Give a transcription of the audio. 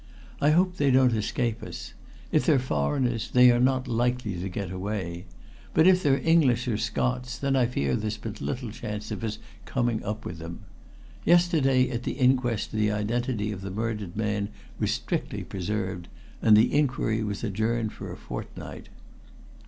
"I hope they don't escape us. If they're foreigners, they are not likely to get away. But if they're English or Scots, then I fear there's but little chance of us coming up with them. Yesterday at the inquest the identity of the murdered man was strictly preserved, and the inquiry was adjourned for a fortnight."